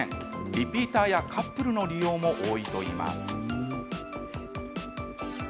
リピーターやカップルの利用も多いといいます。